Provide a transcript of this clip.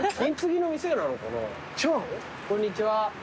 こんにちは。